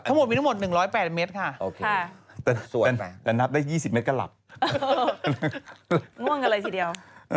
ทั้งหมดมีทั้งหมด๑๐๘เมตรค่ะโอเคแต่ละส่วนแต่นับได้๒๐เมตรก็หลับง่วงกันเลยทีเดียว